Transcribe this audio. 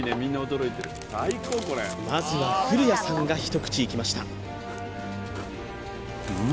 まずは古屋さんが一口いきました